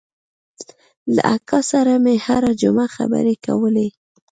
له اکا سره مې هره جمعه خبرې کولې.